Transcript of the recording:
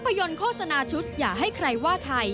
ยนตโฆษณาชุดอย่าให้ใครว่าไทย